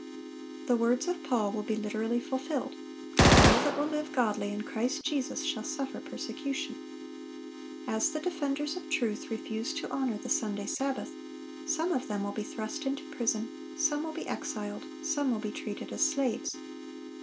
The words of Paul will be literally fulfilled, "All that will live godly in Christ Jesus shall suffer persecution."(1047) As the defenders of truth refuse to honor the Sunday sabbath, some of them will be thrust into prison, some will be exiled, some will be treated as slaves.